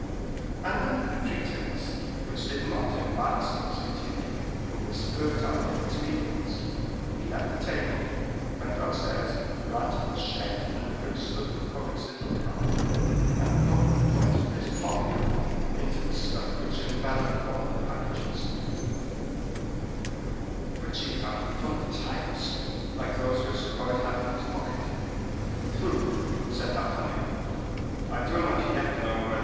And under a pretext, which did not embarrass the musketeer, who was fertile in expedients, he left the table, went downstairs, ran to the shed under which stood the poet's little cart, and poked the point of his poniard into the stuff which enveloped one of the packages, which he found full of types, like those which the poet had in his pocket. "Humph!" said D'Artagnan, "I do not yet know whether M.